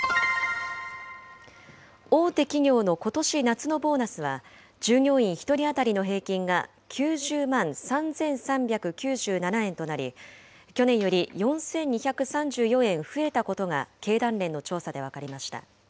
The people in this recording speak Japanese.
大手企業のことし夏のボーナスは、従業員１人当たりの平均が９０万３３９７円となり、去年より４２３４円増えたことが経団連の調査で分かりました。